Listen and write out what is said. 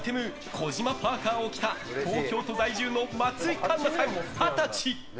児嶋パーカを着た東京都在住の松井栞菜さん、二十歳。